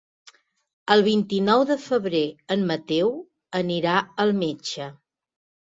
El vint-i-nou de febrer en Mateu anirà al metge.